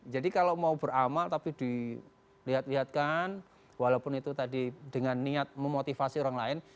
jadi kalau mau beramal tapi dilihat lihatkan walaupun itu tadi dengan niat memotivasi orang lain